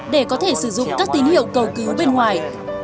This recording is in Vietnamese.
để có thể sử dụng các tín hiệu cầu cứu bên ngoài